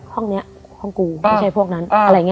ห้องนี้ห้องกูไม่ใช่พวกนั้น